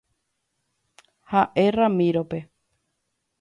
Ha'e Ramiro-pe.